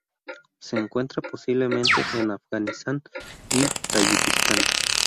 Se encuentra posiblemente en Afganistán y Tayikistán.